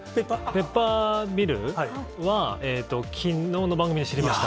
ペッパーミルは、きのうの番組で知り合いました。